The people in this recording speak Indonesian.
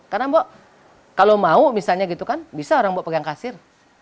karena mbak kalau mau misalnya gitu kan bisa orang mbak pegang kasir